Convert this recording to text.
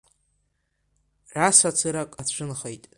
Расацырак ацәынхеит.